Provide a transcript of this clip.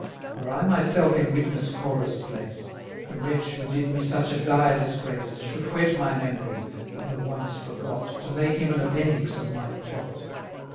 Were I myself in witness Corah's place, The wretch who did me such a dire disgrace, Should whet my memory, though once forgot, 670 To make him an appendix of my plot.